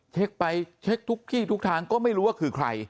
เช็คไปเช็คทุกที่ทุกทางก็ไม่รู้ว่าคือใคร